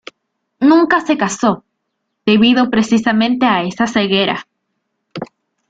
Nunca se casó, debido precisamente a esa ceguera.